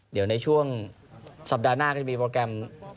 เดี๋ยวในช่วงสัปดาห์หน้าก็จะมีโปรแกรม